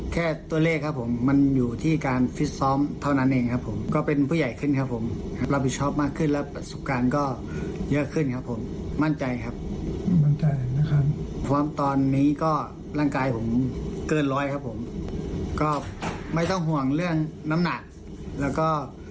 ใจผมเกินร้อยครับผมก็ไม่ต้องห่วงเรื่องน้ำหนักแล้วก็